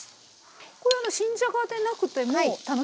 これあの新じゃがでなくても楽しめますか？